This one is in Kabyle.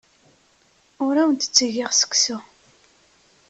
Ur awen-d-ttgeɣ seksu.